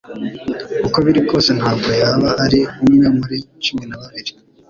Uko biri kose ntabwo yaba ari umwe muri cumi na babiri,